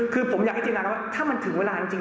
คือผมอยากให้ทิกประกาศว่าถ้ามันถึงเวลาอย่างจริง